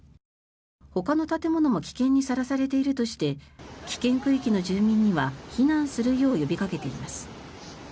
ほかの建物も危険にさらされているとして危険区域の住民には避難するよう呼びかけています。